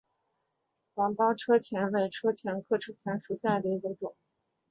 芒苞车前为车前科车前属下的一个种。